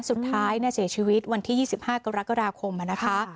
สุดท้ายเสียชีวิตวันที่๒๕กรกฎาคมนะคะ